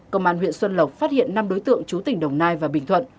công an huyện xuân lộc phát hiện năm đối tượng chú tỉnh đồng nai và bình thuận